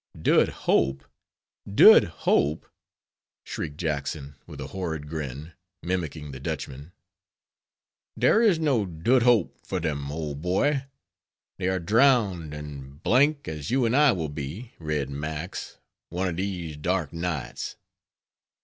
"Dood Hope, Dood Hope," shrieked Jackson, with a horrid grin, mimicking the Dutchman, "dare is no dood hope for dem, old boy; dey are drowned and d .... d, as you and I will be, Red Max, one of dese dark nights."